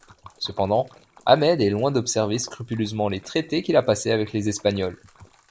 Cependant, Ahmed est loin d'observer scrupuleusement les traités qu'il a passés avec les Espagnols.